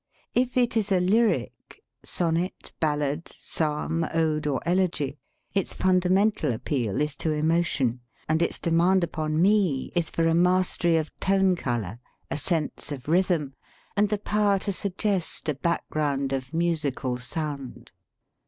If it is a lyric (sonnet, ballad, psalm, ode, or elegy) its fundamental appeal is to 90 THE LAW OF APPROACH emotion; and its demand upon me is for a mastery of tone color, a sense of rhythm, and the power to suggest a background of musical sound.